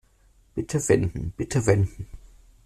Bitte wenden, bitte wenden.